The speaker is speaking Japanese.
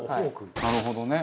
なるほどね。